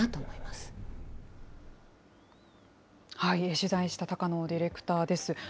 取材した高野ディレクターです。